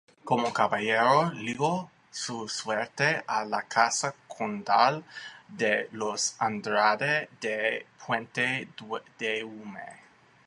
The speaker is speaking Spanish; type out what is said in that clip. Como caballero, ligó su suerte a la casa condal de los Andrade de Puentedeume.